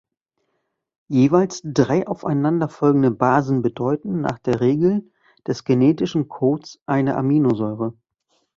Jeweils drei aufeinanderfolgende Basen bedeuten nach der Regel des genetischen Codes eine Aminosäure.